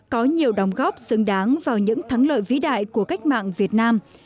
có nhiều đóng góp xứng đáng vào những thắng lợi vĩ đại của cách mạng việt nam